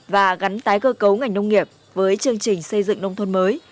và gắn tái cơ cấu ngành nông nghiệp với chương trình xây dựng nông thôn mới